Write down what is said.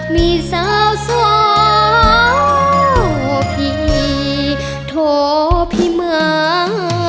มีสาวสว่าพี่โทพิมาก